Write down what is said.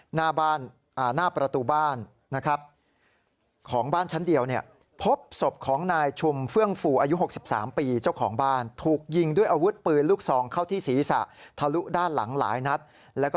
หน้าประตูบ้านของบ้านชั้นเดียว